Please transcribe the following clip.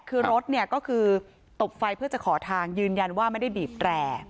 คือรถเนี่ยก็คือตบไฟเพื่อจะขอทางยืนยันว่าไม่ได้บีบแตร